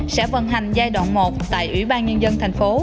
sẽ vận hành giai đoạn một tại ủy ban nhân dân thành phố